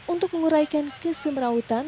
untuk menguraikan kesemerawutan